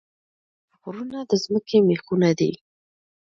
غرونه د ځمکې میخونه دي